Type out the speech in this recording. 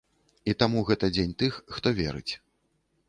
І таму гэта дзень тых, хто верыць.